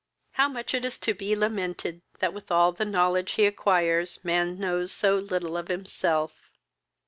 How much is it to be lamented, that, with all the knowledge he acquires, man knows so little of himself!